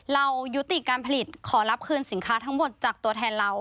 เรายุติการผลิตขอรับคืนสินค้าทั้งหมดจากตัวแทนเรา